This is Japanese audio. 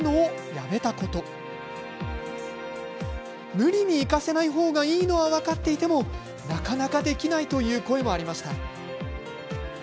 無理に行かせない方がいいのは分かっていてもなかなかできないという声もありました。